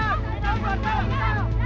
bapak kita ambil as